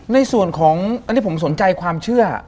ในส่วนของอันนี้ผมสนใจความเชื่อ